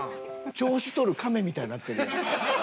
調子とる亀みたいになってるやん。